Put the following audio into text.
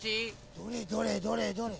どれどれどれどれ？